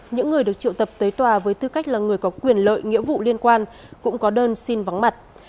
những người được triệu tập tới tòa với tư cách là người có quyền lợi nghĩa vụ liên quan cũng có đơn xin vắng mặt